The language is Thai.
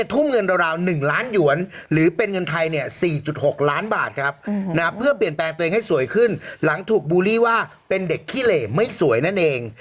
ถูกบูรีว่าเป็นเด็กขี้เหล่ไม่สวยนั่นเอง